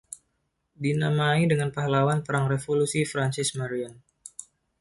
Dinamai dengan pahlawan Perang Revolusi Francis Marion.